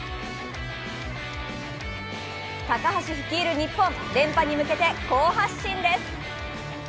高橋率いる日本、連覇に向けて好発進です。